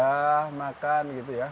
ya makan gitu ya